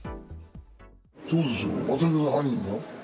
そうですよ、私が犯人だよ。